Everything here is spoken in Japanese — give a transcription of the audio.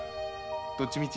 どっちみち